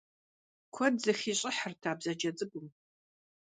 Kued zexiş'ıhırt a bzace ts'ık'um.